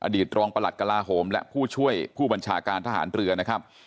ตรองประหลัดกลาโหมและผู้ช่วยผู้บัญชาการทหารเรือนะครับ